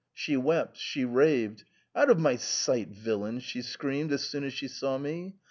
She wept ; she raved. *Out of my sight, villain,' she screamed as soon as she saw me.